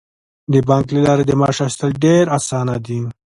د بانک له لارې د معاش اخیستل ډیر اسانه دي.